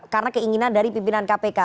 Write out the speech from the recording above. karena keinginan dari pimpinan kpk